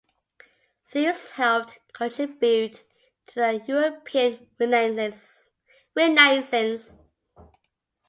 These helped contribute to the European Renaissance.